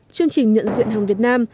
chương trình nhận diện hàng việt nam